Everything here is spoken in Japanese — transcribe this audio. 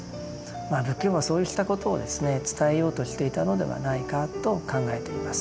仏教はそうしたことを伝えようとしていたのではないかと考えています。